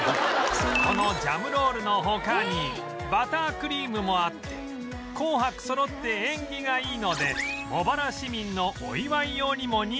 このジャムロールの他にバタークリームもあって紅白そろって縁起がいいので茂原市民のお祝い用にも人気なんだとか